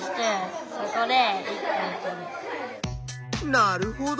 なるほど！